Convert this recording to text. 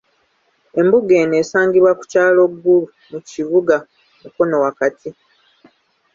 Embuga eno esangibwa ku kyalo Ggulu mu kibuga Mukono wakati.